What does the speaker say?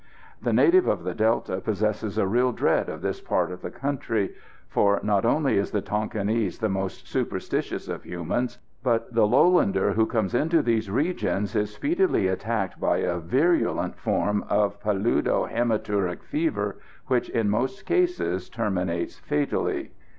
The native of the Delta possesses a real dread of this part of the country, for, not only is the Tonquinese the most superstitious of humans, but the lowlander who comes into these regions is speedily attacked by a virulent form of paludo hæmaturic fever, which in most cases terminates fatally.